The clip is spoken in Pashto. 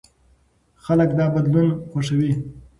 خلک دا بدلون خوښوي.